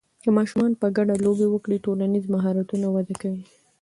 که ماشومان په ګډه لوبې وکړي، ټولنیز مهارتونه وده کوي.